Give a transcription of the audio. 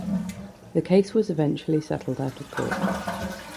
The case was eventually settled out of court.